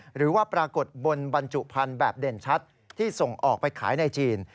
หรือว่าปรากฏบนบรรจุพันธุ์แบบเด่นชัดที่ส่งออกไปขายในจีน